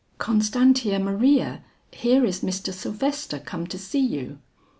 "Constantia Maria, here is Mr. Sylvester come to see you."